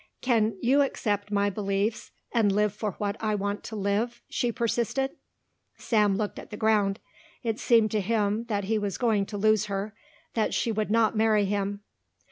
"Can you accept my beliefs and live for what I want to live?" she persisted. Sam looked at the ground. It seemed to him that he was going to lose her, that she would not marry him.